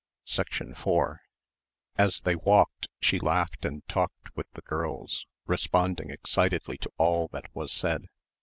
4 As they walked she laughed and talked with the girls, responding excitedly to all that was said.